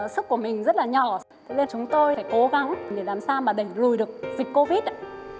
sức của mình rất là nhỏ thế nên chúng tôi phải cố gắng để làm sao mà đẩy lùi được dịch covid